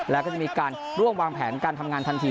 แล้วก็จะมีการร่วมวางแผนการทำงานทันที